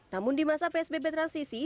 namun di masa psbb transisi